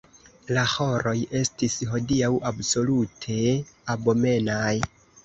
La ĥoroj estis hodiaŭ absolute abomenaj.